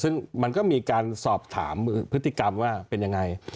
ซึ่งมันก็มีการสอบถามพฤติกรรมว่าเป็นยังไง